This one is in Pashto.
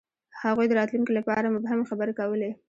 هغوی د راتلونکي لپاره مبهمې خبرې کولې.